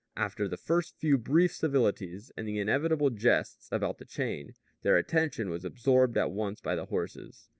After the first few brief civilities and the inevitable jests about the chain, their attention was absorbed at once by the horses.